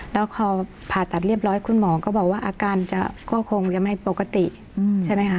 แล้วพอผ่าตัดเรียบร้อยคุณหมอก็บอกว่าอาการจะก็คงจะไม่ปกติใช่ไหมคะ